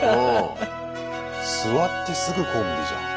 座ってすぐコンビじゃん。